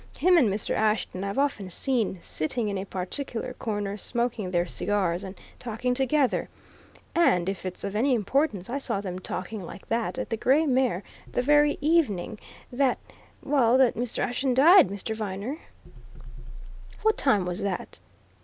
Him and Mr. Ashton I've often seen sitting in a particular corner, smoking their cigars, and talking together. And if it's of any importance I saw them talking like that, at the Grey Mare, the very evening that that Mr. Ashton died, Mr. Viner." "What time was that?"